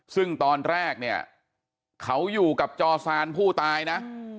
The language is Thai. ซึ่งตอนแรกเนี่ยเขาอยู่กับจอซานผู้ตายนะ